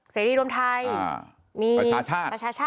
เศรษฐีรวมไทย